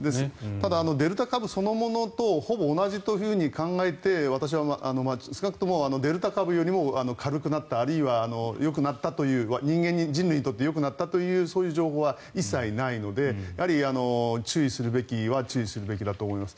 ただデルタ株そのものとほぼ同じというふうに考えて、私は少なくともデルタ株よりも軽くなったあるいはよくなったという人類にとってよくなったというそういう情報は一切ないのでやはり、注意するべきは注意するべきだと思います。